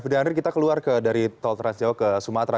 fd anri kita keluar dari tol trans jawa ke sumatera